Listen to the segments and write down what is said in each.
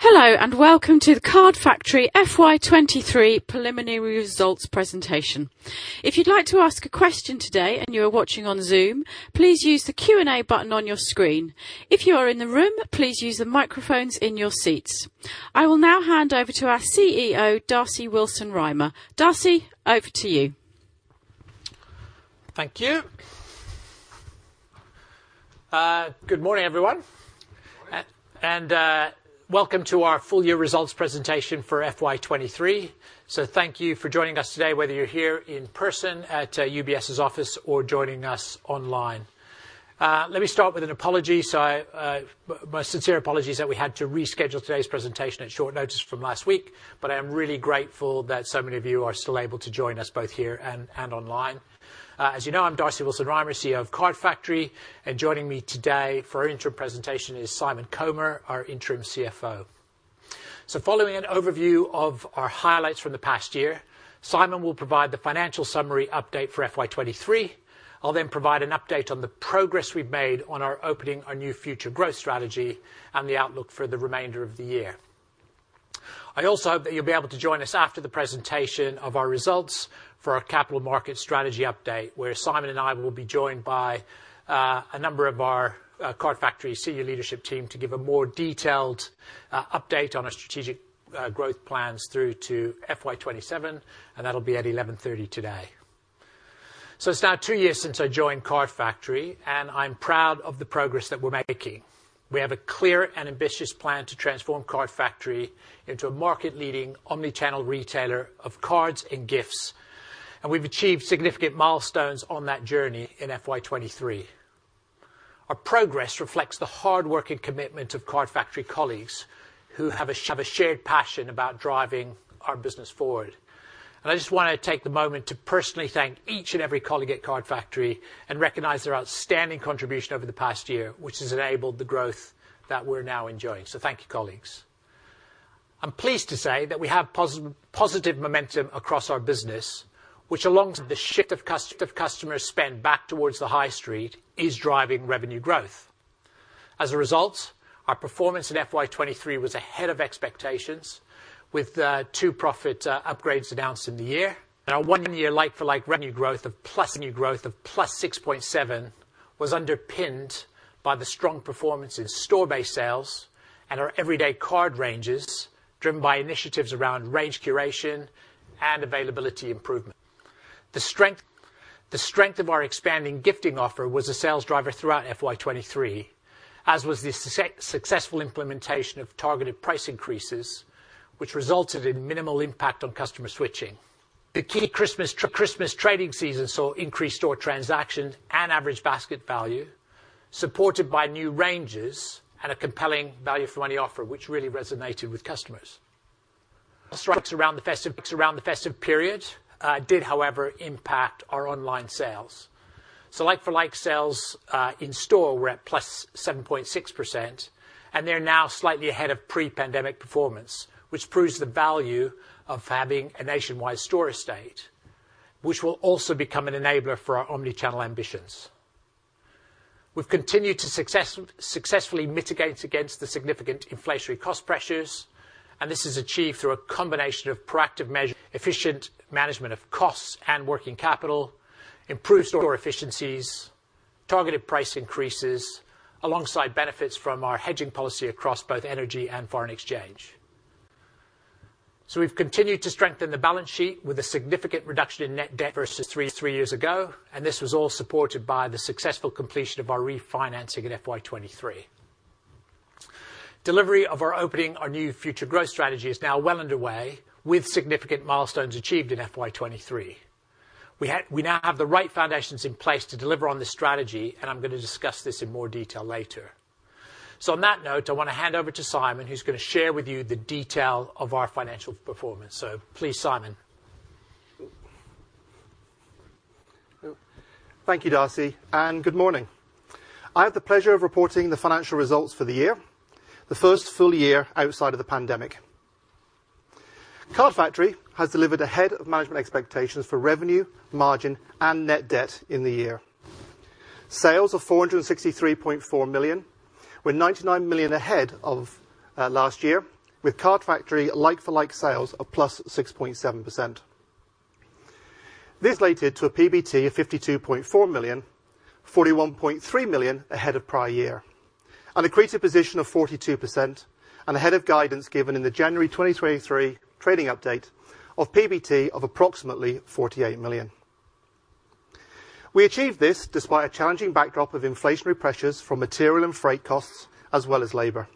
Hello and welcome to The Card Factory FY 2023 preliminary results presentation. If you'd like to ask a question today and you are watching on Zoom, please use the Q&A button on your screen. If you are in the room, please use the microphones in your seats. I will now hand over to our CEO, Darcy Willson-Rymer. Darcy, over to you. Thank you. Good morning everyone, and Welcome to our full year results presentation for FY 2023. Thank you for joining us today, whether you're here in person at UBS's office or joining us online. Let me start with an apology. My sincere apologies that we had to reschedule today's presentation at short notice from last week, but I am really grateful that so many of you are still able to join us both here and online. As you know, I'm Darcy Willson-Rymer, CEO of Card Factory, and joining me today for our interim presentation is Simon Comer, our interim CFO. Following an overview of our highlights from the past year, Simon will provide the financial summary update for FY 2023. I'll then provide an update on the progress we've made on our Opening Our New Future growth strategy and the outlook for the remainder of the year. I also hope that you'll be able to join us after the presentation of our results for our capital market strategy update, where Simon and I will be joined by a number of our Card Factory senior leadership team to give a more detailed update on our strategic growth plans through to FY 2027, and that'll be at 11:30 today. It's now two years since I joined Card Factory, and I'm proud of the progress that we're making. We have a clear and ambitious plan to transform Card Factory into a market-leading omni-channel retailer of cards and gifts, and we've achieved significant milestones on that journey in FY 2023. Our progress reflects the hard work and commitment of Card Factory colleagues who have a shared passion about driving our business forward. I just wanna take the moment to personally thank each and every colleague at Card Factory and recognize their outstanding contribution over the past year, which has enabled the growth that we're now enjoying. Thank you, colleagues. I'm pleased to say that we have positive momentum across our business, which along to the shift of customers spend back towards the high street, is driving revenue growth. As a result, our performance in FY 2023 was ahead of expectations with two profit upgrades announced in the year. Our one year like-for-like revenue growth of +6.7% was underpinned by the strong performance in store-based sales and our everyday card ranges, driven by initiatives around range curation and availability improvement. The strength of our expanding gifting offer was a sales driver throughout FY 2023, as was the successful implementation of targeted price increases, which resulted in minimal impact on customer switching. The key Christmas trading season saw increased store transactions and average basket value, supported by new ranges and a compelling value for money offer, which really resonated with customers. Strikes around the festive period did however impact our online sales. Like-for-like sales in store were at +7.6%, and they're now slightly ahead of pre-pandemic performance, which proves the value of having a nationwide store estate, which will also become an enabler for our omni-channel ambitions. We've continued to successfully mitigate against the significant inflationary cost pressures, and this is achieved through a combination of proactive measure, efficient management of costs and working capital, improved store efficiencies, targeted price increases alongside benefits from our hedging policy across both energy and foreign exchange. We've continued to strengthen the balance sheet with a significant reduction in net debt versus three years ago, and this was all supported by the successful completion of our refinancing in FY2023. Delivery of our Opening Our New Future growth strategy is now well underway with significant milestones achieved in FY2023. We now have the right foundations in place to deliver on this strategy. I'm gonna discuss this in more detail later. On that note, I wanna hand over to Simon, who's gonna share with you the detail of our financial performance. Please Simon. Thank you Darcy and good morning. I have the pleasure of reporting the financial results for the year, the first full year outside of the pandemic. Card Factory has delivered ahead of management expectations for revenue, margin, and net debt in the year. Sales of 463.4 million were 99 million ahead of last year, with Card Factory like-for-like sales of +6.7%. This related to a PBT of 52.4 million, 41.3 million ahead of prior year and increased a position of 42% and ahead of guidance given in the January 2023 trading update of PBT of approximately 48 million. We achieved this despite a challenging backdrop of inflationary pressures from material and freight costs as well as labor.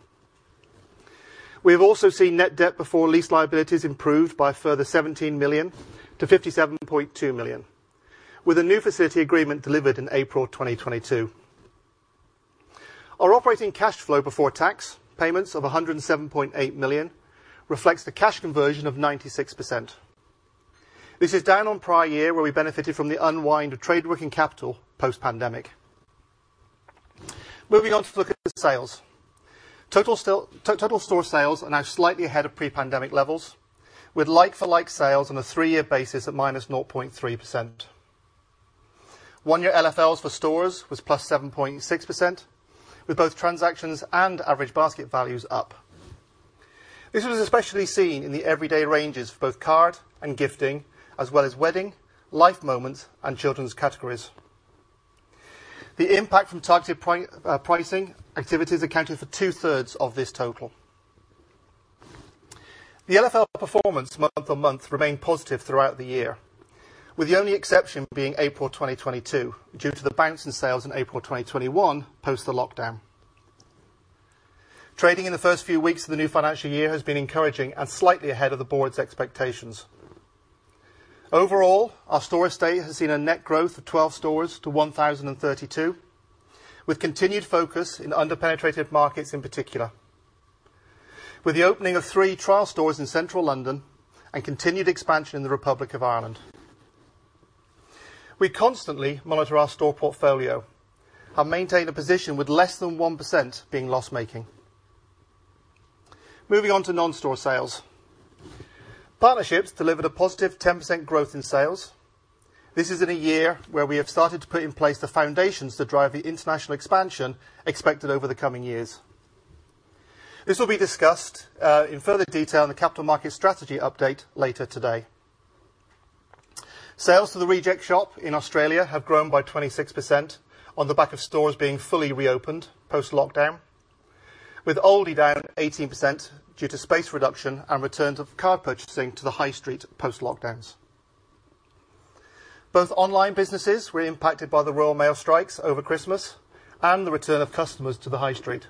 We have also seen net debt before lease liabilities improved by a further 17 million to 57.2 million, with a new facility agreement delivered in April 2022. Our operating cash flow before tax payments of 107.8 million reflects the cash conversion of 96%. This is down on prior year, where we benefited from the unwind of trade working capital post-pandemic. Moving on to look at sales. Total store sales are now slightly ahead of pre-pandemic levels with like-for-like sales on a three-year basis at -0.3%. 1-year LFLs for stores was +7.6%, with both transactions and average basket values up. This was especially seen in the everyday ranges for both card and gifting, as well as wedding, life moments, and children's categories. The impact from targeted pricing activities accounted for two-thirds of this total. The LFL performance month-on-month remained positive throughout the year, with the only exception being April 2022 due to the bounce in sales in April 2021 post the lockdown. Trading in the first few weeks of the new financial year has been encouraging and slightly ahead of the board's expectations. Overall, our store estate has seen a net growth of 12 stores to 1,032, with continued focus in under-penetrated markets in particular, with the opening of three trial stores in Central London and continued expansion in the Republic of Ireland. We constantly monitor our store portfolio and maintain a position with less than 1% being loss-making. Moving on to non-store sales. Partnerships delivered a positive 10% growth in sales. This is in a year where we have started to put in place the foundations to drive the international expansion expected over the coming years. This will be discussed in further detail in the capital market strategy update later today. Sales to The Reject Shop in Australia have grown by 26% on the back of stores being fully reopened post-lockdown, with Aldi down 18% due to space reduction and return to card purchasing to the high street post-lockdowns. Both online businesses were impacted by the Royal Mail strikes over Christmas and the return of customers to the high street.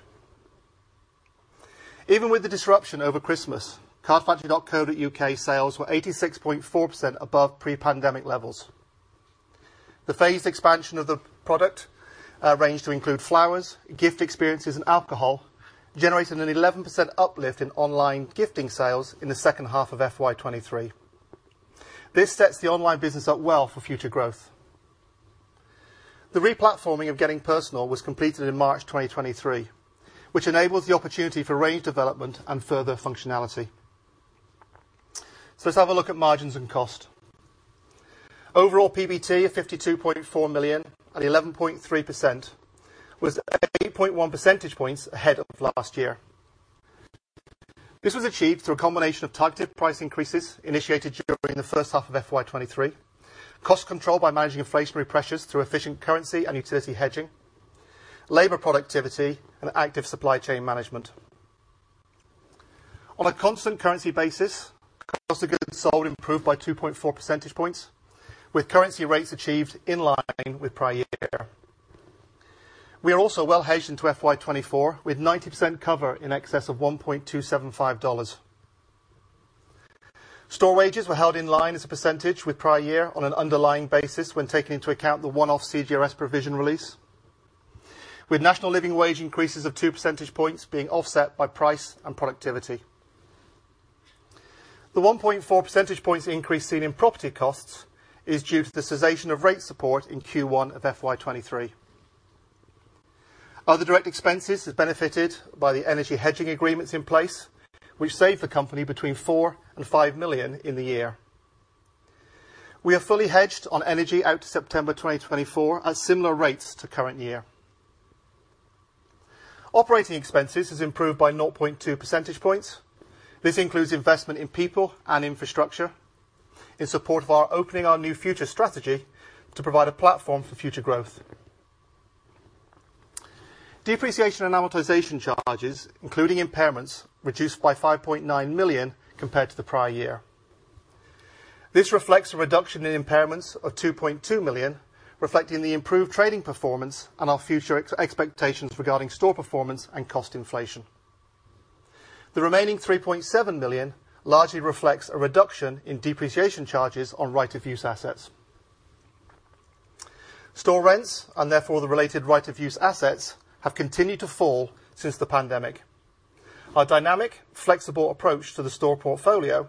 Even with the disruption over Christmas, cardfactory.co.uk sales were 86.4% above pre-pandemic levels. The phased expansion of the product range to include flowers, gift experiences, and alcohol generated an 11% uplift in online gifting sales in the second half of FY 2023. This sets the online business up well for future growth. The re-platforming of Getting Personal was completed in March 2023, which enables the opportunity for range development and further functionality. Let's have a look at margins and cost. Overall PBT of 52.4 million at 11.3% was 8.1 percentage points ahead of last year. This was achieved through a combination of targeted price increases initiated during the first half of FY 2023, cost control by managing inflationary pressures through efficient currency and utility hedging, labor productivity, and active supply chain management. On a constant currency basis, cost of goods sold improved by 2.4 percentage points, with currency rates achieved in line with prior year. We are also well hedged into FY 2024, with 90% cover in excess of $1.275. Store wages were held in line as a percentage with prior year on an underlying basis when taking into account the one-off CJRS provision release, with National Living Wage increases of 2 percentage points being offset by price and productivity. The 1.4 percentage points increase seen in property costs is due to the cessation of rate support in Q1 of FY 2023. Other direct expenses have benefited by the energy hedging agreements in place, which saved the company between 4 million-5 million in the year. We are fully hedged on energy out to September 2024 at similar rates to current year. Operating expenses has improved by 0.2 percentage points. This includes investment in people and infrastructure in support of our Opening Our New Future strategy to provide a platform for future growth. Depreciation and amortization charges, including impairments, reduced by 5.9 million compared to the prior year. This reflects a reduction in impairments of 2.2 million, reflecting the improved trading performance and our future expectations regarding store performance and cost inflation. The remaining 3.7 million largely reflects a reduction in depreciation charges on right of use assets. Store rents, and therefore the related right of use assets, have continued to fall since the pandemic. Our dynamic, flexible approach to the store portfolio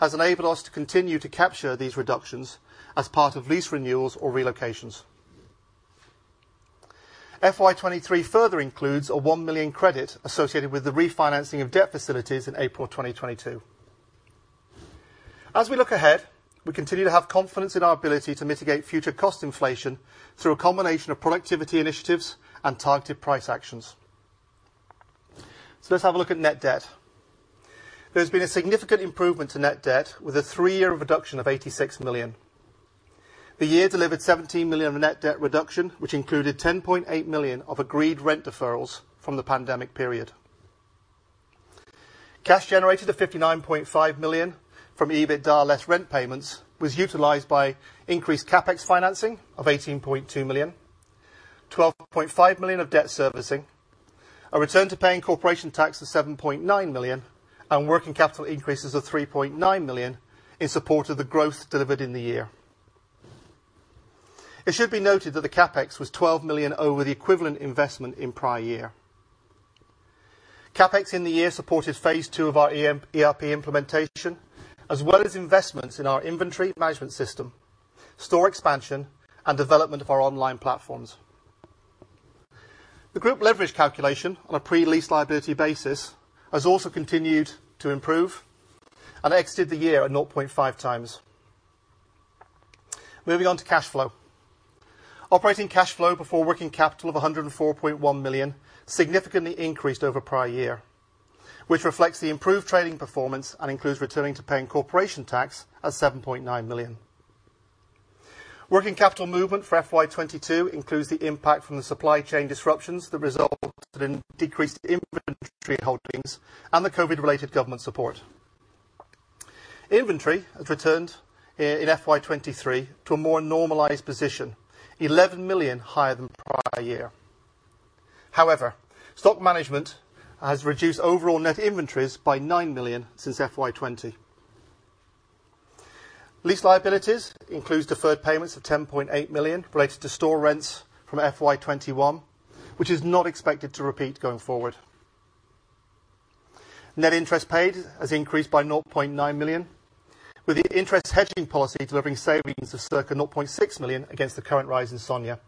has enabled us to continue to capture these reductions as part of lease renewals or relocations. FY 2023 further includes a 1 million credit associated with the refinancing of debt facilities in April 2022. As we look ahead, we continue to have confidence in our ability to mitigate future cost inflation through a combination of productivity initiatives and targeted price actions. Let's have a look at net debt. There's been a significant improvement to net debt with a three-year reduction of 86 million. The year delivered 17 million of net debt reduction, which included 10.8 million of agreed rent deferrals from the pandemic period. Cash generated at 59.5 million from EBITDA less rent payments was utilized by increased CapEx financing of 18.2 million, 12.5 million of debt servicing, a return to paying corporation tax of 7.9 million, and working capital increases of 3.9 million in support of the growth delivered in the year. It should be noted that the CapEx was 12 million over the equivalent investment in prior year. CapEx in the year supported phase two of our ERP implementation, as well as investments in our inventory management system, store expansion, and development of our online platforms. The group leverage calculation on a pre-lease liability basis has also continued to improve and exited the year at 0.5 times. Moving on to cash flow. Operating cash flow before working capital of 104.1 million significantly increased over prior year, which reflects the improved trading performance and includes returning to paying corporation tax at 7.9 million. Working capital movement for FY 2022 includes the impact from the supply chain disruptions that resulted in decreased inventory holdings and the COVID-related government support. Inventory has returned in FY 2023 to a more normalized position, 11 million higher than the prior year. However, stock management has reduced overall net inventories by 9 million since FY 2020. Lease liabilities includes deferred payments of 10.8 million related to store rents from FY 2021, which is not expected to repeat going forward. Net interest paid has increased by 0.9 million, with the interest hedging policy delivering savings of circa 0.6 million against the current rise in SONIA.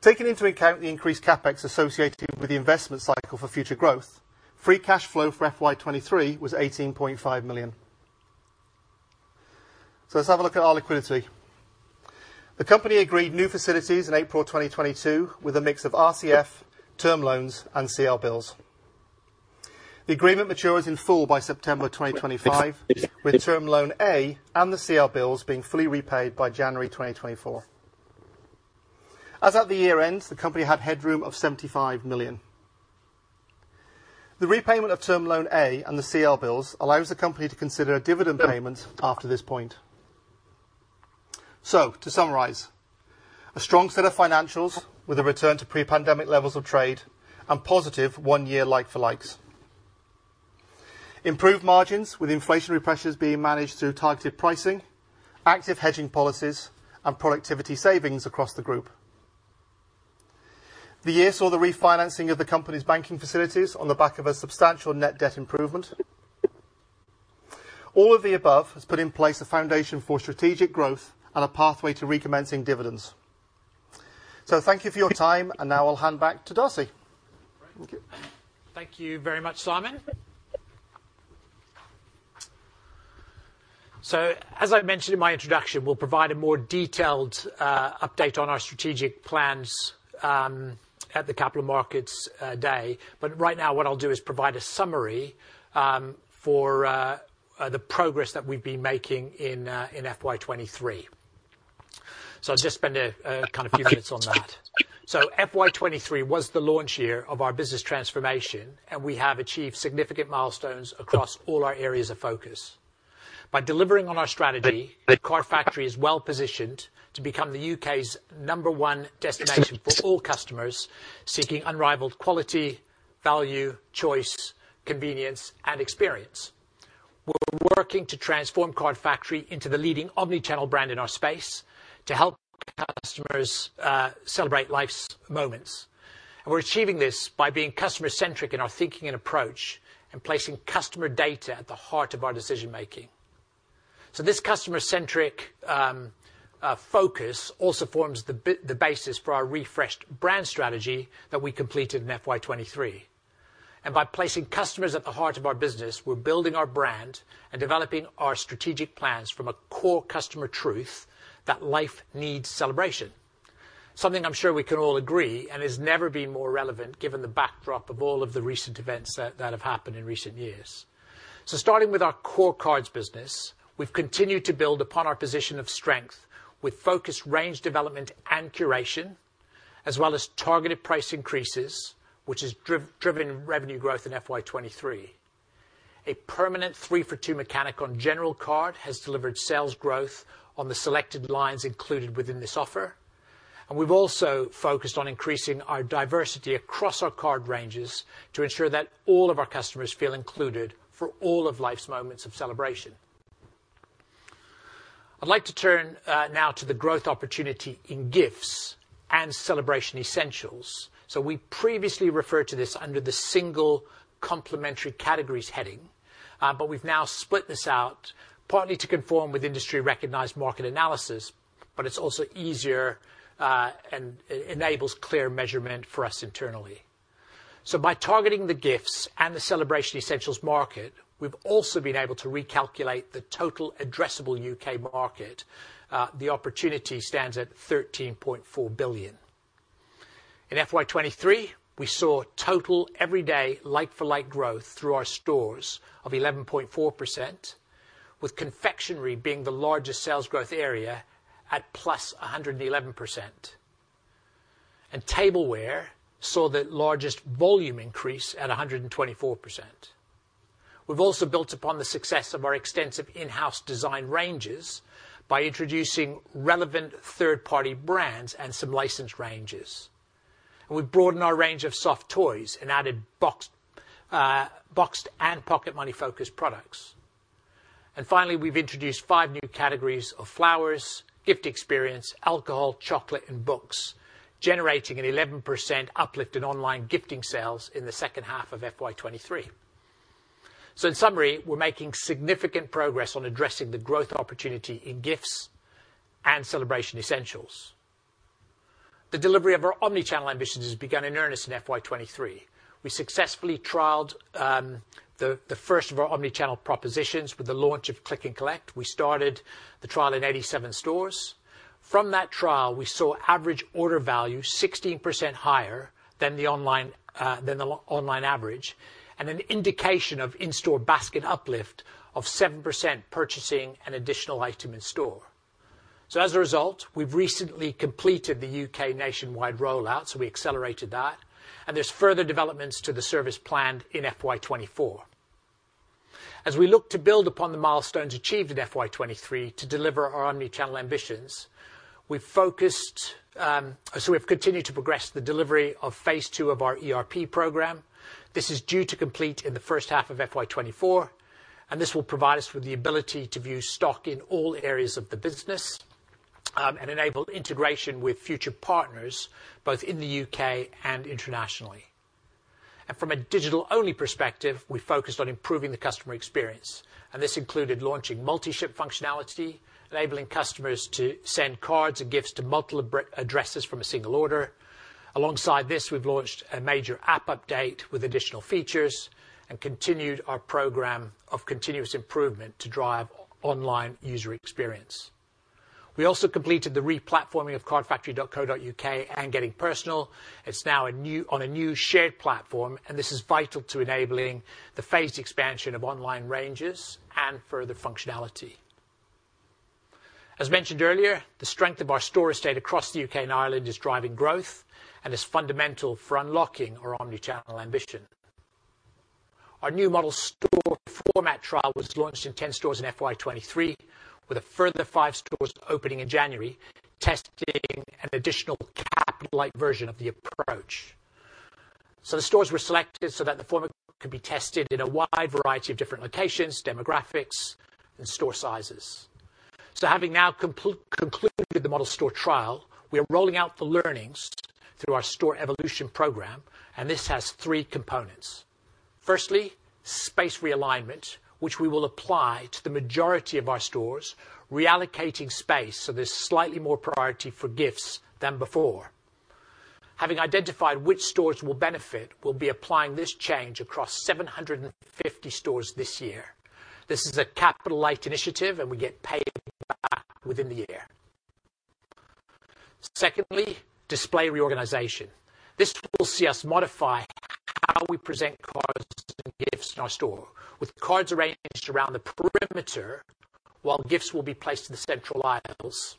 Taking into account the increased CapEx associated with the investment cycle for future growth, free cash flow for FY 2023 was 18.5 million. Let's have a look at our liquidity. The company agreed new facilities in April 2022 with a mix of RCF, term loans, and CLBILS. The agreement matures in full by September 2025, with term loan A and the CLBILS being fully repaid by January 2024. As at the year-end, the company had headroom of 75 million. The repayment of term loan A and the CLBILS allows the company to consider a dividend payment after this point. To summarize, a strong set of financials with a return to pre-pandemic levels of trade and positive one-year like-for-likes. Improved margins with inflationary pressures being managed through targeted pricing, active hedging policies, and productivity savings across the group. The year saw the refinancing of the company's banking facilities on the back of a substantial net debt improvement. All of the above has put in place a foundation for strategic growth and a pathway to recommencing dividends. Thank you for your time, and now I'll hand back to Darcy. Thank you. Thank you very much, Simon. As I mentioned in my introduction, we'll provide a more detailed update on our strategic plans at the Capital Markets Day. Right now, what I'll do is provide a summary for the progress that we've been making in FY2023. I'll just spend a kind of few minutes on that. FY2023 was the launch year of our business transformation, and we have achieved significant milestones across all our areas of focus. By delivering on our strategy, Card Factory is well-positioned to become the U.K.'s number one destination for all customers seeking unrivaled quality, value, choice, convenience, and experience. We're working to transform Card Factory into the leading omni-channel brand in our space to help customers celebrate life's moments. We're achieving this by being customer-centric in our thinking and approach and placing customer data at the heart of our decision-making. This customer-centric focus also forms the basis for our refreshed brand strategy that we completed in FY 2023. By placing customers at the heart of our business, we're building our brand and developing our strategic plans from a core customer truth that life needs celebration. Something I'm sure we can all agree and has never been more relevant given the backdrop of all of the recent events that have happened in recent years. Starting with our core cards business, we've continued to build upon our position of strength with focused range development and curation, as well as targeted price increases, which has driven revenue growth in FY 2023. A permanent three-for-two mechanic on general card has delivered sales growth on the selected lines included within this offer. We've also focused on increasing our diversity across our card ranges to ensure that all of our customers feel included for all of life's moments of celebration. I'd like to turn now to the growth opportunity in gifts and celebration essentials. We previously referred to this under the single complementary categories heading, but we've now split this out partly to conform with industry-recognized market analysis, but it's also easier and enables clear measurement for us internally. By targeting the gifts and the celebration essentials market, we've also been able to recalculate the total addressable U.K. market. The opportunity stands at 13.4 billion. In FY 2023, we saw total everyday like-for-like growth through our stores of 11.4%, with confectionery being the largest sales growth area at +111%. Tableware saw the largest volume increase at 124%. We've also built upon the success of our extensive in-house design ranges by introducing relevant third-party brands and some licensed ranges. We've broadened our range of soft toys and added boxed and pocket money-focused products. Finally, we've introduced five new categories of flowers, gift experience, alcohol, chocolate, and books, generating an 11% uplift in online gifting sales in the second half of FY 2023. In summary, we're making significant progress on addressing the growth opportunity in gifts and celebration essentials. The delivery of our omni-channel ambitions has begun in earnest in FY 2023. We successfully trialed, the first of our omni-channel propositions with the launch of Click and Collect. We started the trial in 87 stores. From that trial, we saw average order value 16% higher than the online average, and an indication of in-store basket uplift of 7% purchasing an additional item in store. As a result, we've recently completed the UK nationwide rollout, so we accelerated that, and there's further developments to the service plan in FY 2024. As we look to build upon the milestones achieved in FY 2023 to deliver our omni-channel ambitions, we've focused. We've continued to progress the delivery of phase 2 of our ERP program. This is due to complete in the first half of FY 2024, and this will provide us with the ability to view stock in all areas of the business and enable integration with future partners, both in the UK and internationally. From a digital-only perspective, we focused on improving the customer experience, and this included launching multi-ship functionality, enabling customers to send cards and gifts to multiple addresses from a single order. Alongside this, we've launched a major app update with additional features and continued our program of continuous improvement to drive online user experience. We also completed the re-platforming of cardfactory.co.uk and Getting Personal. It's now on a new shared platform, and this is vital to enabling the phased expansion of online ranges and further functionality. As mentioned earlier, the strength of our store estate across the U.K. and Ireland is driving growth and is fundamental for unlocking our omni-channel ambition. Our new model store format trial was launched in 10 stores in FY2023, with a further five stores opening in January, testing an additional capital-light version of the approach. The stores were selected so that the format could be tested in a wide variety of different locations, demographics, and store sizes. Having now concluded the model store trial, we are rolling out the learnings through our store evolution program, and this has three components. Firstly, space realignment, which we will apply to the majority of our stores, reallocating space, so there's slightly more priority for gifts than before. Having identified which stores will benefit, we'll be applying this change across 750 stores this year. This is a capital-light initiative, and we get paid back within the year. Secondly, display reorganization. This will see us modify how we present cards and gifts in our store, with cards arranged around the perimeter, while gifts will be placed in the central aisles.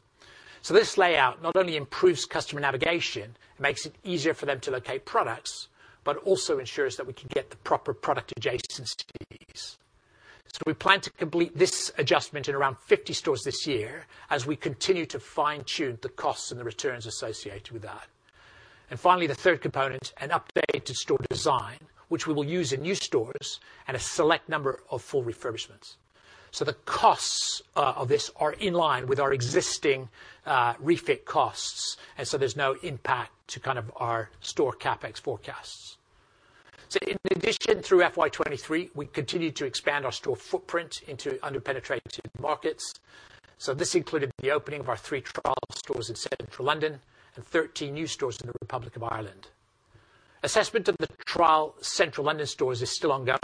This layout not only improves customer navigation, it makes it easier for them to locate products, but also ensures that we can get the proper product adjacencies. We plan to complete this adjustment in around 50 stores this year as we continue to fine-tune the costs and the returns associated with that. Finally, the third component, an updated store design, which we will use in new stores and a select number of full refurbishments. The costs of this are in line with our existing refit costs, and there's no impact to kind of our store CapEx forecasts. In addition, through FY2023, we continued to expand our store footprint into under-penetrated markets. This included the opening of our three trial stores in Central London and 13 new stores in the Republic of Ireland. Assessment of the trial Central London stores is still ongoing.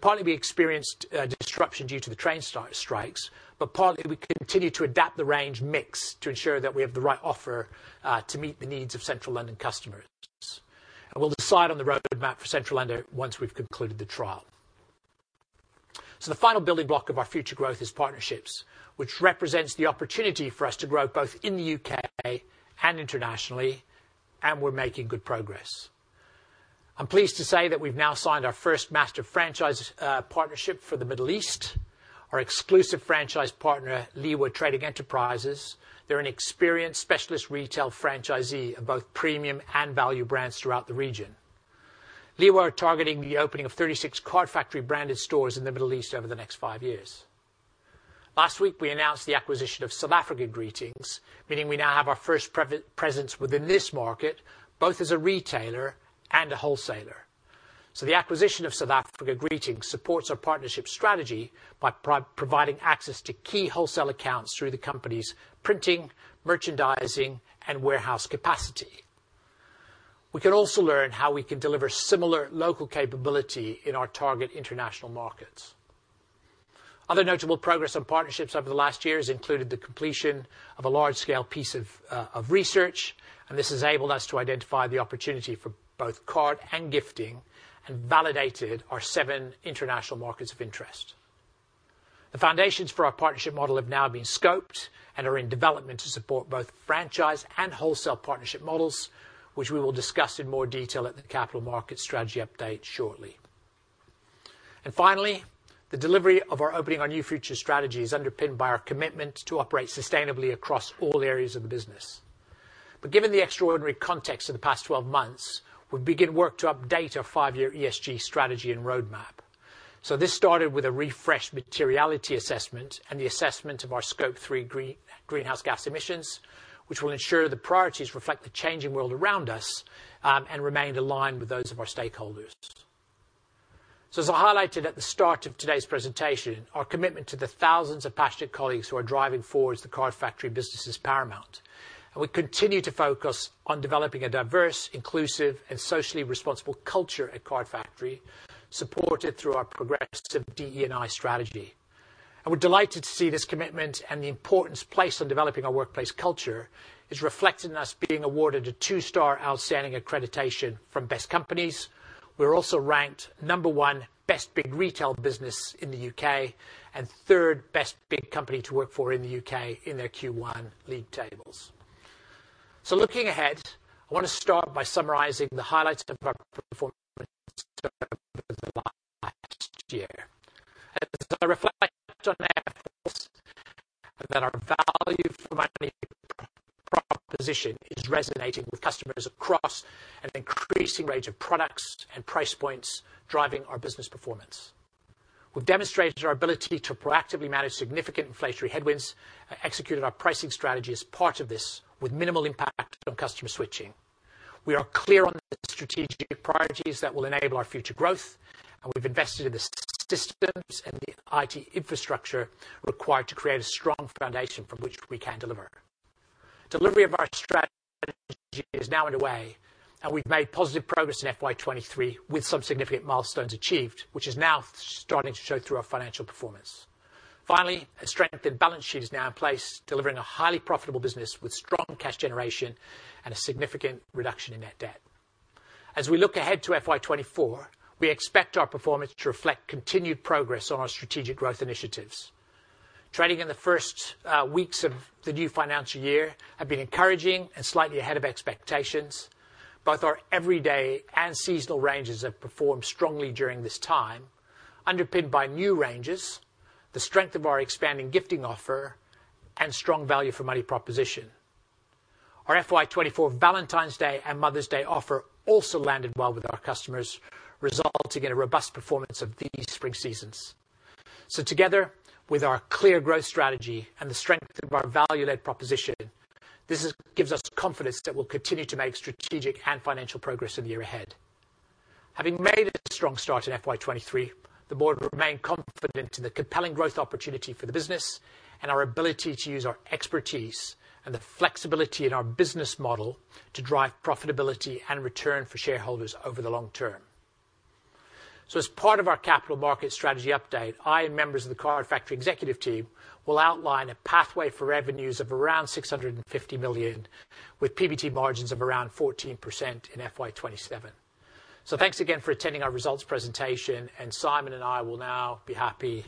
Partly, we experienced disruption due to the train strikes, but partly we continue to adapt the range mix to ensure that we have the right offer to meet the needs of Central London customers. We'll decide on the roadmap for Central London once we've concluded the trial. The final building block of our future growth is partnerships, which represents the opportunity for us to grow both in the U.K. and internationally, and we're making good progress. I'm pleased to say that we've now signed our first master franchise partnership for the Middle East. Our exclusive franchise partner, Liwa Trading Enterprises, they're an experienced specialist retail franchisee of both premium and value brands throughout the region. Liwa are targeting the opening of 36 Card Factory branded stores in the Middle East over the next five years. Last week, we announced the acquisition of SA Greetings, meaning we now have our first presence within this market, both as a retailer and a wholesaler. The acquisition of SA Greetings supports our partnership strategy by providing access to key wholesale accounts through the company's printing, merchandising, and warehouse capacity. We can also learn how we can deliver similar local capability in our target international markets. Other notable progress on partnerships over the last year has included the completion of a large-scale piece of research, this has enabled us to identify the opportunity for both card and gifting and validated our seven international markets of interest. The foundations for our partnership model have now been scoped and are in development to support both franchise and wholesale partnership models, which we will discuss in more detail at the Capital Market Strategy update shortly. Finally, the delivery of our Opening Our New Future strategy is underpinned by our commitment to operate sustainably across all areas of the business. Given the extraordinary context of the past 12 months, we've begin work to update our five-year ESG strategy and roadmap. This started with a refreshed materiality assessment and the assessment of our Scope three greenhouse gas emissions, which will ensure the priorities reflect the changing world around us and remained aligned with those of our stakeholders. As I highlighted at the start of today's presentation, our commitment to the thousands of passionate colleagues who are driving forward the Card Factory business is paramount. We continue to focus on developing a diverse, inclusive, and socially responsible culture at Card Factory, supported through our progressive DE&I strategy. We're delighted to see this commitment and the importance placed on developing our workplace culture is reflected in us being awarded a two-star outstanding accreditation from Best Companies. We're also ranked number one best big retail business in the UK, and third best big company to work for in the UK in their Q1 league tables. Looking ahead, I want to start by summarizing the highlights of our performance over the last year. As I reflect on that, our value for money proposition is resonating with customers across an increasing range of products and price points, driving our business performance. We've demonstrated our ability to proactively manage significant inflationary headwinds and executed our pricing strategy as part of this with minimal impact on customer switching. We are clear on the strategic priorities that will enable our future growth, and we've invested in the systems and the IT infrastructure required to create a strong foundation from which we can deliver. Delivery of our strategy is now underway, and we've made positive progress in FY 2023 with some significant milestones achieved, which is now starting to show through our financial performance. Finally, a strengthened balance sheet is now in place, delivering a highly profitable business with strong cash generation and a significant reduction in net debt. As we look ahead to FY 2024, we expect our performance to reflect continued progress on our strategic growth initiatives. Trading in the first weeks of the new financial year have been encouraging and slightly ahead of expectations. Both our everyday and seasonal ranges have performed strongly during this time, underpinned by new ranges, the strength of our expanding gifting offer, and strong value for money proposition. Our FY 2024 Valentine's Day and Mother's Day offer also landed well with our customers, resulting in a robust performance of the spring seasons. Together with our clear growth strategy and the strength of our value-led proposition, gives us confidence that we'll continue to make strategic and financial progress in the year ahead. Having made a strong start in FY 2023, the board remain confident in the compelling growth opportunity for the business and our ability to use our expertise and the flexibility in our business model to drive profitability and return for shareholders over the long term. As part of our capital market strategy update, I and members of the Card Factory executive team will outline a pathway for revenues of around 650 million, with PBT margins of around 14% in FY 2027. Thanks again for attending our results presentation, and Simon and I will now be happy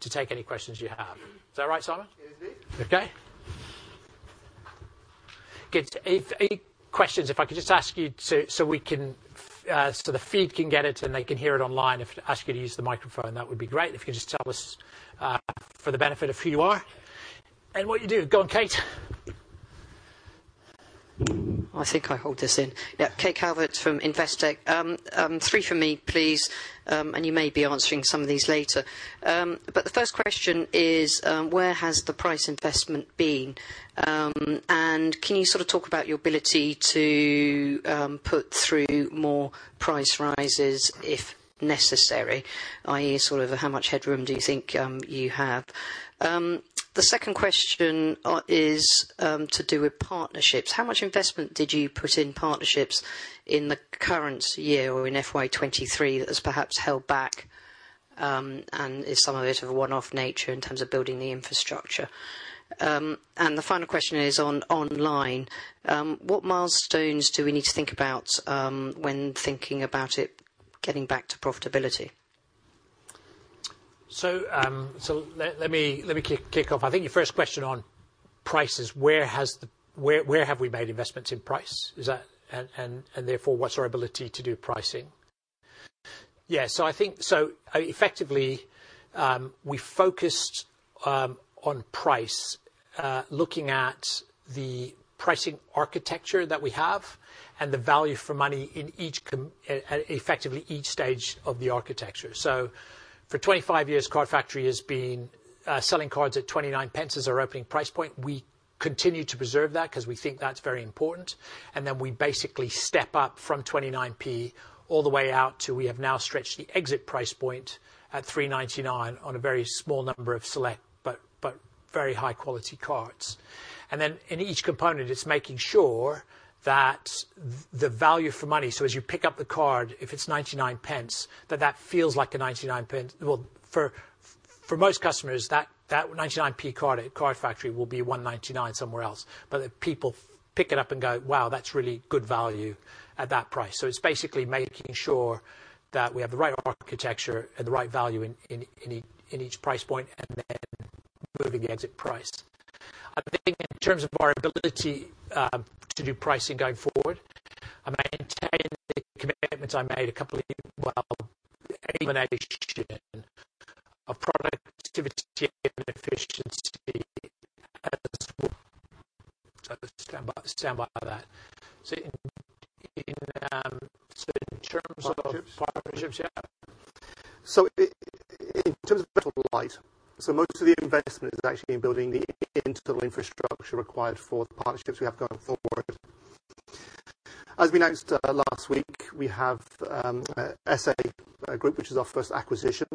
to take any questions you have. Is that right, Simon? Yes, it is. Okay. Good. Any questions? If I could just ask you to, so we can, so the feed can get it and they can hear it online. If I could ask you to use the microphone, that would be great. If you could just tell us, for the benefit of who you are and what you do. Go on, Kate. I think I hold this in. Yeah, Kate Calvert from Investec. Three from me, please, you may be answering some of these later. The first question is, where has the price investment been? Can you sort of talk about your ability to put through more price rises if necessary, i.e. sort of how much headroom do you think you have? The second question is to do with partnerships. How much investment did you put in partnerships in the current year or in FY 2023 that has perhaps held back, is some of it of a one-off nature in terms of building the infrastructure? The final question is on online. What milestones do we need to think about when thinking about it getting back to profitability? Let me kick off. I think your first question on prices, where have we made investments in price? and therefore, what's our ability to do pricing? Yeah. I think effectively, we focused on price, looking at the pricing architecture that we have and the value for money in each effectively each stage of the architecture. For 25 years, Card Factory has been selling cards at 0.29 as our opening price point. We continue to preserve that 'cause we think that's very important. Then we basically step up from 0.29 all the way out to we have now stretched the exit price point at 3.99 on a very small number of select but very high-quality cards. In each component, it's making sure that the value for money. As you pick up the card, if it's 0.99, that feels like a 0.99. Well, for most customers, that 0.99 card at Card Factory will be 1.99 somewhere else. If people pick it up and go, "Wow, that's really good value at that price." It's basically making sure that we have the right architecture and the right value in each price point, moving the exit price. I think in terms of our ability to do pricing going forward, I maintain the commitments I made a couple of years ago about the elimination of productivity and efficiency as a Stand by that. In terms of. Partnerships? partnerships, yeah. In terms of most of the investment has actually been building the internal infrastructure required for the partnerships we have going forward. As we announced last week, we have SA Greetings, which is our first acquisition.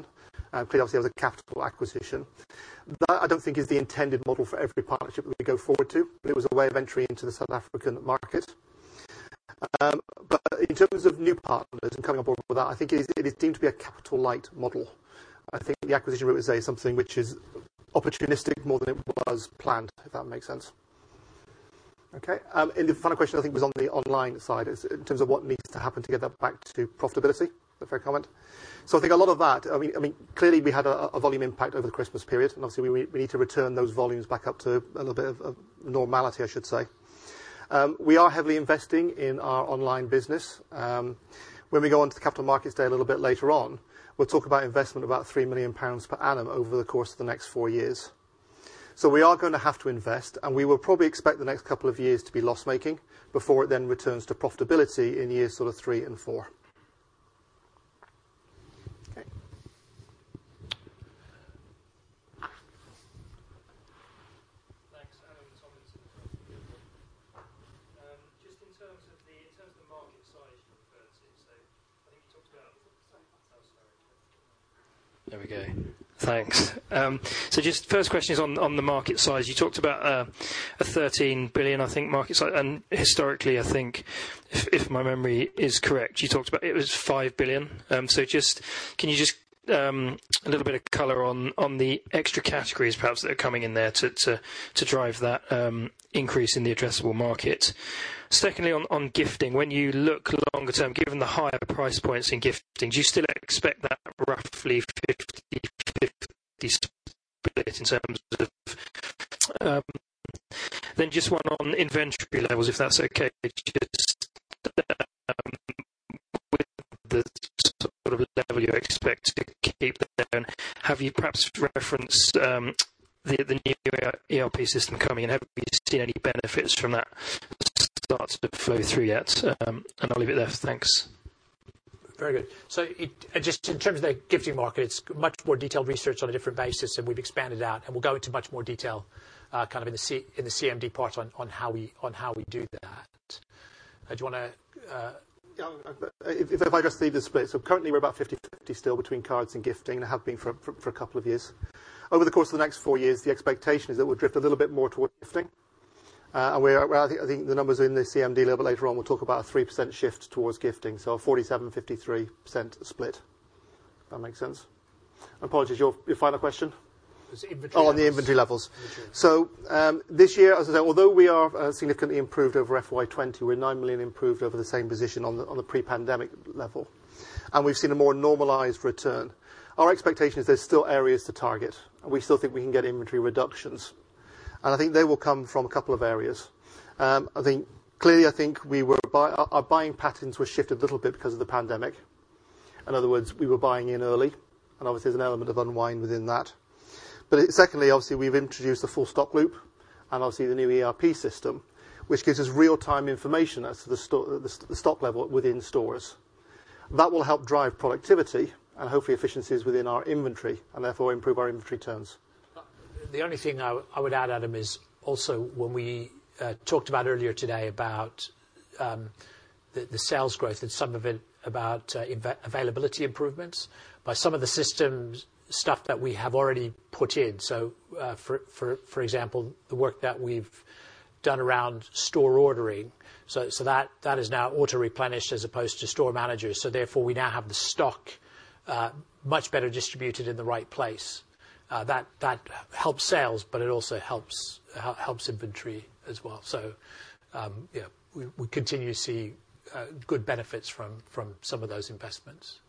Pretty obviously it was a capital acquisition. That I don't think is the intended model for every partnership that we go forward to, but it was a way of entry into the South African market. In terms of new partners and coming aboard with that, I think it is deemed to be a capital light model. I think the acquisition route is something which is opportunistic more than it was planned, if that makes sense. The final question I think was on the online side is in terms of what needs to happen to get that back to profitability, if I comment. I think a lot of that, I mean, clearly we had a volume impact over the Christmas period, and obviously we need to return those volumes back up to a little bit of normality, I should say. We are heavily investing in our online business. When we go on to the capital markets day a little bit later on, we'll talk about investment, about 3 million pounds per annum over the course of the next three years. We are gonna have to invest, and we will probably expect the next couple of years to be loss-making before it then returns to profitability in year sort of 3 and 4. Thanks. Tomlinson. There we go. Thanks. Just first question is on the market size. You talked about a 13 billion, I think, market size, and historically I think if my memory is correct, you talked about it was 5 billion. Can you just a little bit of color on the extra categories perhaps that are coming in there to drive that increase in the addressable market. Secondly, on gifting, when you look longer term, given the higher price points in gifting, do you still expect that roughly 50/50 split in terms of... Just one on inventory levels, if that's okay. Just, with the sort of level you expect to keep there, have you perhaps referenced, the new ERP system coming, have you seen any benefits from that start to flow through yet? I'll leave it there. Thanks. Very good. Just in terms of the gifting market, it's much more detailed research on a different basis, and we've expanded out, and we'll go into much more detail in the CMD part on how we do that. Do you wanna. Yeah. If I just leave the split. Currently we're about 50/50 still between cards and gifting and have been for a couple of years. Over the course of the next four years, the expectation is that we'll drift a little bit more towards gifting. I think the numbers in the CMD a little bit later on will talk about a 3% shift towards gifting. A 47%, 53% split, if that makes sense. Apologies, your final question? It's the inventory levels. Oh, on the inventory levels. Inventory. This year, as I said, although we are significantly improved over FY2020, we're 9 million improved over the same position on the pre-pandemic level. We've seen a more normalized return. Our expectation is there's still areas to target, and we still think we can get inventory reductions. I think they will come from a couple of areas. Clearly I think our buying patterns were shifted a little bit because of the pandemic. In other words, we were buying in early, and obviously there's an element of unwind within that. Secondly, obviously, we've introduced the full stock loop and obviously the new ERP system, which gives us real-time information as to the stock level within stores. That will help drive productivity and hopefully efficiencies within our inventory and therefore improve our inventory terms. The only thing I would add, Adam, is also when we talked about earlier today about the sales growth and some of it about availability improvements by some of the systems stuff that we have already put in. For example, the work that we've done around store ordering. That is now auto replenished as opposed to store managers. Therefore, we now have the stock much better distributed in the right place. That helps sales, but it also helps inventory as well. Yeah, we continue to see good benefits from some of those investments.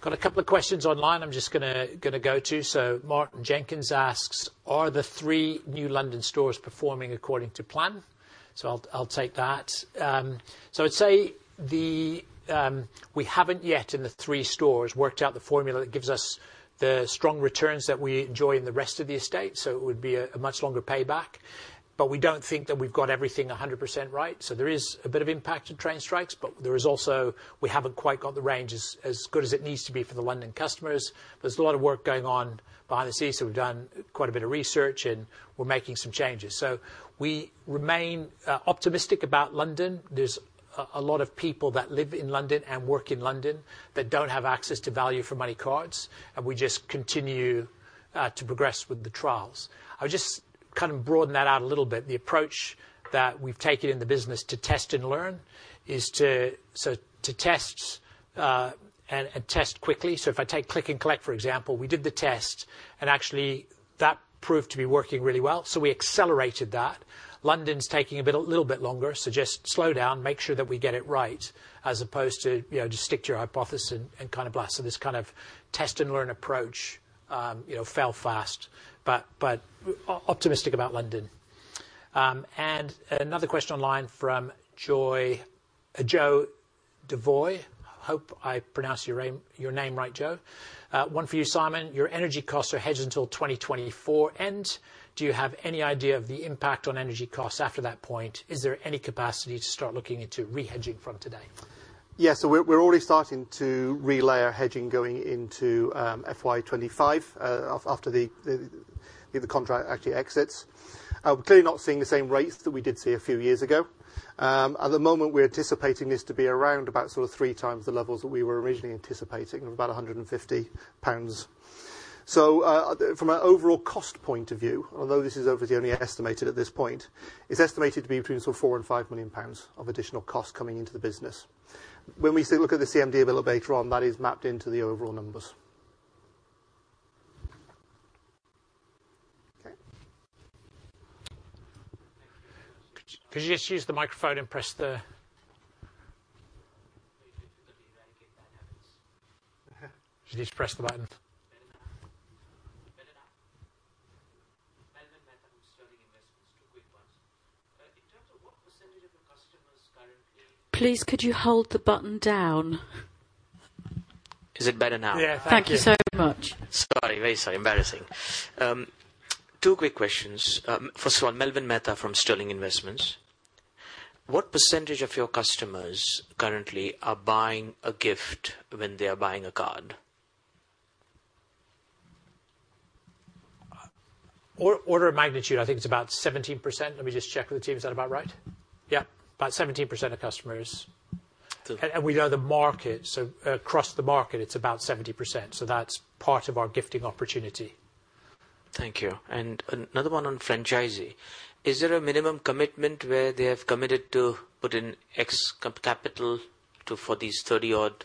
Got a couple of questions online I'm just gonna go to. Martin Jenkins asks, "Are the three New London stores performing according to plan?" I'll take that. I'd say the, we haven't yet in the three stores worked out the formula that gives us the strong returns that we enjoy in the rest of the estate, it would be a much longer payback. We don't think that we've got everything 100% right. There is a bit of impact in train strikes, but there is also, we haven't quite got the range as good as it needs to be for the London customers. There's a lot of work going on behind the scenes, so we've done quite a bit of research and we're making some changes. We remain optimistic about London. There's a lot of people that live in London and work in London that don't have access to value for money cards, and we just continue to progress with the trials. I would just kind of broaden that out a little bit. The approach that we've taken in the business to test and learn is to test and test quickly. If I take Click and Collect, for example, we did the test and actually that proved to be working really well, we accelerated that. London's taking a little bit longer, just slow down, make sure that we get it right, as opposed to, you know, just stick to your hypothesis and kind of blast. This kind of test and learn approach, you know, fail fast, but optimistic about London. Another question online from Joe Devoy. Hope I pronounced your name right, Joe. One for you, Simon. Your energy costs are hedged until 2024 end. Do you have any idea of the impact on energy costs after that point? Is there any capacity to start looking into re-hedging from today? Yes. We're already starting to relay our hedging going into FY2025 after the contract actually exits. We're clearly not seeing the same rates that we did see a few years ago. At the moment, we're anticipating this to be around about sort of three times the levels that we were originally anticipating, of about 150 pounds. From an overall cost point of view, although this is obviously only estimated at this point, it's estimated to be between 4 million-5 million pounds of additional cost coming into the business. When we look at the CMD a little later on, that is mapped into the overall numbers. Okay. Could you just use the microphone and press. Very difficult to eradicate bad habits. Could you just press the button? Better now? Better now. Melvin Mehta from Sterling Investments. Two quick ones. In terms of what % of the customers currently- Please, could you hold the button down? Is it better now? Yeah. Thank you. Thank you so much. Sorry. Very sorry. Embarrassing. Two quick questions. First one, Melvin Mehta from Sterling Investments. What percentage of your customers currently are buying a gift when they are buying a card? Order of magnitude, I think it's about 17%. Let me just check with the team. Is that about right? Yeah. About 17% of customers. So- We know the market, so across the market, it's about 70%, so that's part of our gifting opportunity. Thank you. Another one on franchisee. Is there a minimum commitment where they have committed to put in X cap-capital to, for these 30-odd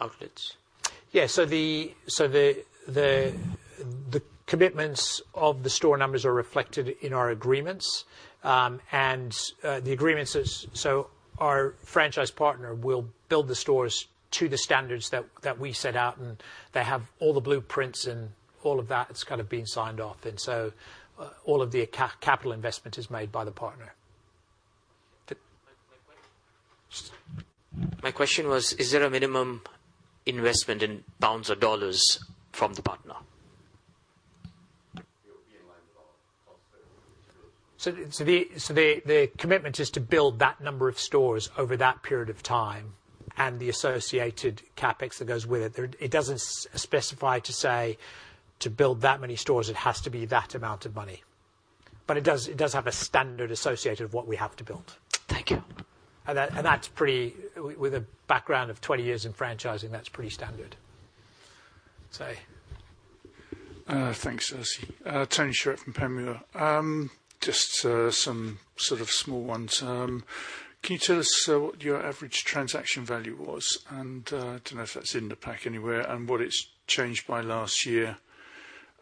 outlets? Yeah. So the commitments of the store numbers are reflected in our agreements. And the agreements is, so our franchise partner will build the stores to the standards that we set out, and they have all the blueprints and all of that. It's kind of been signed off. All of the capital investment is made by the partner. My question was, is there a minimum investment in pounds or dollars from the partner? The commitment is to build that number of stores over that period of time and the associated CapEx that goes with it. It doesn't specify to say to build that many stores it has to be that amount of money. It does have a standard associated with what we have to build. Thank you. With a background of 20 years in franchising, that's pretty standard, so. Thanks Darcy. Tony Shiret from Panmure. Just some sort of small ones. Can you tell us what your average transaction value was? And I don't know if that's in the pack anywhere and what it's changed by last year.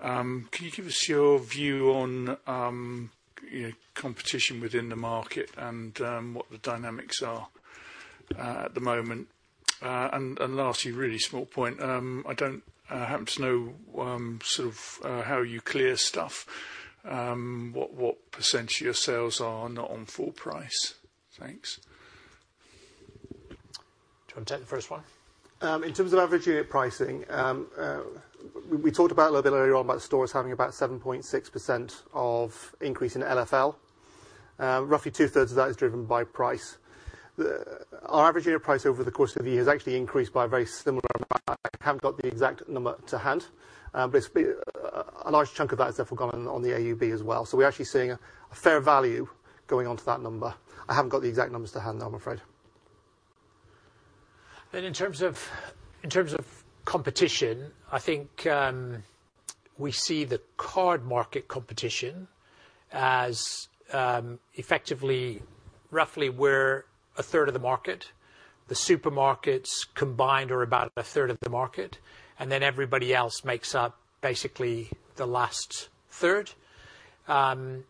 Can you give us your view on, you know, competition within the market and what the dynamics are at the moment? Lastly, really small point, I don't happen to know, sort of, how you clear stuff, what percentage of your sales are not on full price? Thanks. Do you want to take the first one? In terms of average unit pricing, we talked about a little bit earlier on about stores having about 7.6% of increase in LFL. Roughly two-thirds of that is driven by price. Our average unit price over the course of the year has actually increased by a very similar amount. I haven't got the exact number to hand, but A large chunk of that has therefore gone on the AUB as well, so we're actually seeing a fair value going onto that number. I haven't got the exact numbers to hand though, I'm afraid. In terms of competition, I think, we see the card market competition as effectively roughly we're a third of the market. The supermarkets combined are about a third of the market. Everybody else makes up basically the last third. In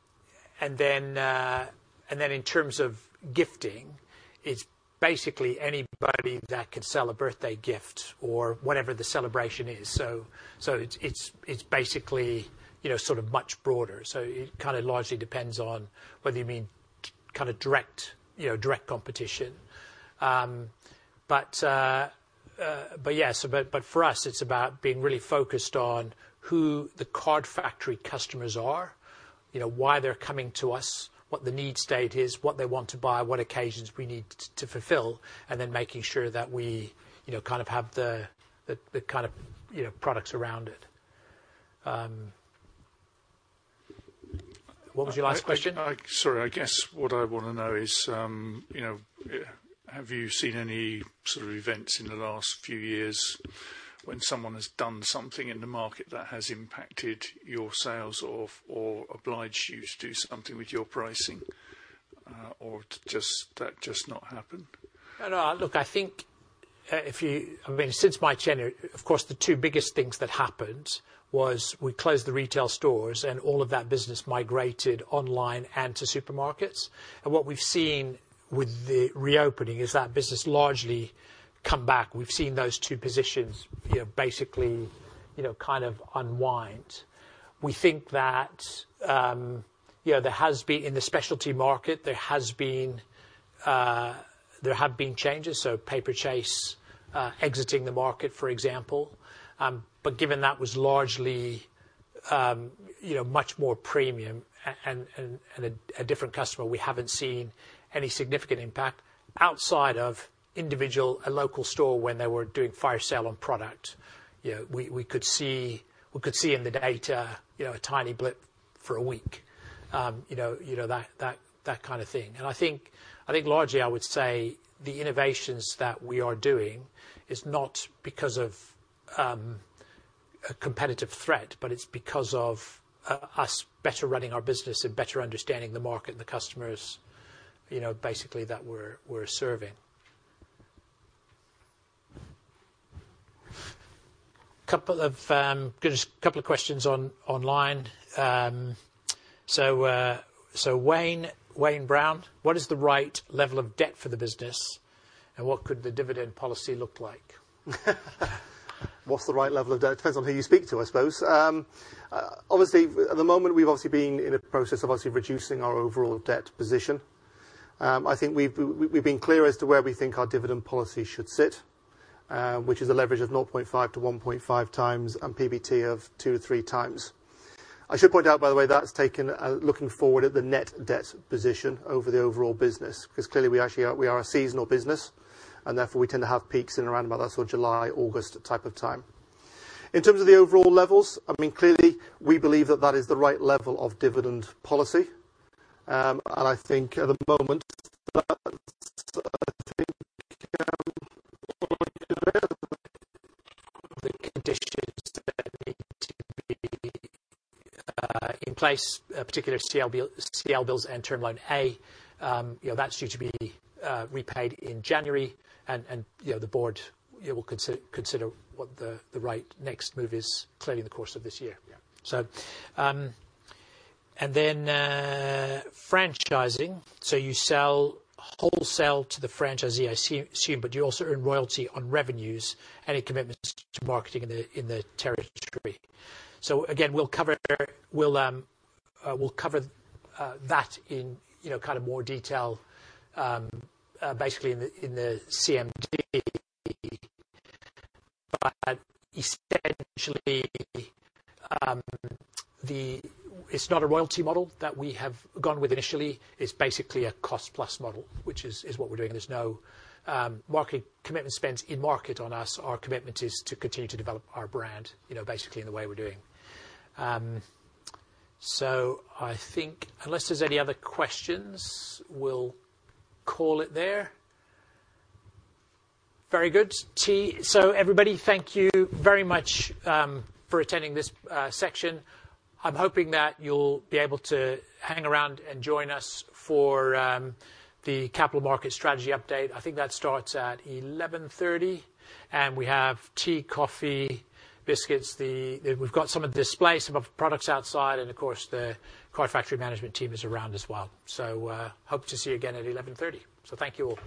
terms of gifting, it's basically anybody that can sell a birthday gift or whatever the celebration is. It's basically, you know, sort of much broader. It kinda largely depends on whether you mean kind of direct, you know, direct competition. Yeah. But for us, it's about being really focused on who Card Factory customers are, you know, why they're coming to us, what the need state is, what they want to buy, what occasions we need to fulfill, and then making sure that we, you know, kind of have the kind of, you know, products around it. What was your last question? Sorry. I guess what I wanna know is, you know, have you seen any sort of events in the last few years when someone has done something in the market that has impacted your sales or obliged you to do something with your pricing, or that just not happened? No, no. Look, I think, I mean, since my tenure, of course, the two biggest things that happened was we closed the retail stores and all of that business migrated online and to supermarkets. What we've seen with the reopening is that business largely come back. We've seen those two positions, you know, basically, you know, kind of unwind. We think that, you know, there has been, in the specialty market, there has been, there have been changes, so Paperchase exiting the market, for example. Given that was largely, you know, much more premium and a different customer. We haven't seen any significant impact outside of individual, a local store when they were doing fire sale on product. You know, we could see in the data, you know, a tiny blip for a week. you know, that kind of thing. I think largely I would say the innovations that we are doing is not because of a competitive threat, but it's because of us better running our business and better understanding the market and the customers, you know, basically that we're serving. Couple of good. Just couple of questions online. Wayne Brown, what is the right level of debt for the business, and what could the dividend policy look like? What's the right level of debt? Depends on who you speak to, I suppose. Obviously at the moment, we've obviously been in a process of obviously reducing our overall debt position. I think we've been clear as to where we think our dividend policy should sit, which is a leverage of 0.5-1.5 times and PBT of two, three times. I should point out, by the way, that's taken looking forward at the net debt position over the overall business, 'cause clearly we actually are a seasonal business, and therefore we tend to have peaks in around about, sort of, July, August type of time. In terms of the overall levels, I mean, clearly we believe that that is the right level of dividend policy. And I think at the moment, that's, I think, The conditions that need to be in place, particular CLBILS and term loan A, you know, that's due to be repaid in January, and you know, the board, will consider what the right next move is clearly in the course of this year. Yeah. And then franchising. You sell wholesale to the franchisee, I assume, but you also earn royalty on revenues, any commitments to marketing in the territory? Again, we'll cover that in, you know, kind of more detail basically in the CMD. Essentially, the... It's not a royalty model that we have gone with initially. It's basically a cost plus model, which is what we're doing. There's no market commitment spends in market on us. Our commitment is to continue to develop our brand, you know, basically in the way we're doing. I think unless there's any other questions, we'll call it there. Very good. Tea. Everybody, thank you very much for attending this section. I'm hoping that you'll be able to hang around and join us for the capital market strategy update. I think that starts at 11:30, and we have tea, coffee, biscuits. We've got some of the displays, some of products outside and of course, the Card Factory management team is around as well. Hope to see you again at 11:30. Thank you all.